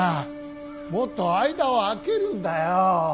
もっと間を空けるんだよ。